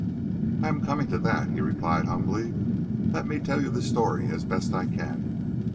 "I am coming to that," he replied humbly. "Let me tell you the story as best I can.